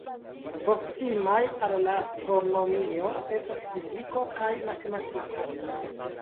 Proksimaj al la astronomio estas fiziko kaj matematiko.